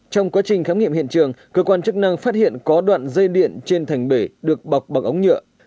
trong quá trình khám nghiệm hiện trường cơ quan chức năng phát hiện có đoạn dây điện trên thành bể được bọc bằng ống nhựa